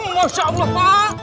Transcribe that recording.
masya allah pak